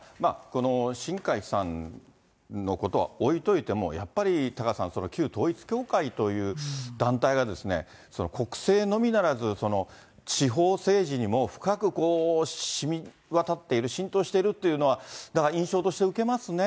この新開さんのことは置いといても、もうやっぱり、タカさん、旧統一教会という団体が、国政のみならず、地方政治にも、深くしみわたっている、浸透しているというのは、なんか印象として受けますね。